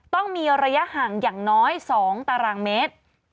ต้องมีระยะห่างอย่างน้อย๒ตารางเมตร